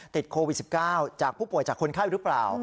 ติดโควิด๑๙จากผู้ป่วยหรือเปล่า